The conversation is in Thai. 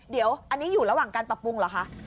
เดี๋ยวอันนี้อยู่ระหว่างการปรับปรุงเหรอคะ